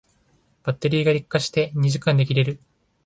バッテリーが劣化して二時間で切れる